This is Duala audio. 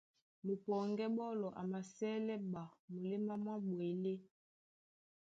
Mupɔŋgɛ́ ɓɔ́lɔ a masɛ́lɛ́ ɓa muléma mwá ɓwelé.